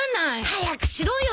早くしろよ！